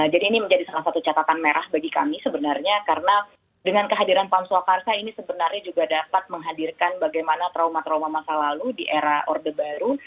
jadi ini menjadi salah satu catatan merah bagi kami sebenarnya karena dengan kehadiran pamswa karsa ini sebenarnya juga dapat menghadirkan bagaimana trauma trauma masa lalu di era orde baru